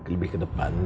lebih ke depan